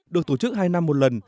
được tổ chức hai năm một lần